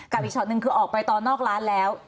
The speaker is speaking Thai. กับอีกฉอดนึงคือออกไปตอนนอกร้านแล้ว